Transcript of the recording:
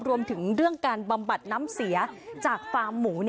รวมถึงเรื่องการบำบัดน้ำเสียจากฟาร์มหมู